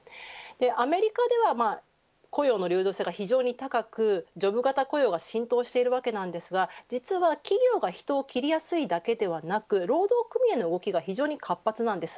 アメリカでは雇用の流動性が非常に高くジョブ型雇用が浸透しているわけですが実は企業が人を切りやすいだけではなく労働組合の動きが非常に活発なんです。